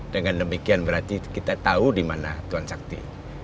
dengan demikian berarti kita tahu di mana tuan sakti